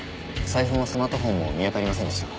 財布もスマートフォンも見当たりませんでした。